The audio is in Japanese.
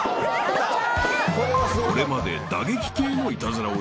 ［これまで］